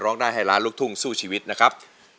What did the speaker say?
ร้องได้ให้ล้านลูกทุ่งสู้ชีวิตนะครับ